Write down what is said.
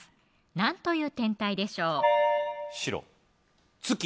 何という天体でしょう白月